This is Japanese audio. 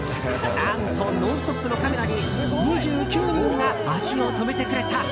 何と「ノンストップ！」のカメラに２９人が足を止めてくれた。